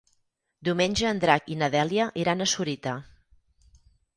Diumenge en Drac i na Dèlia iran a Sorita.